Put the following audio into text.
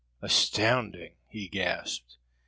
"Astounding!" he gasped.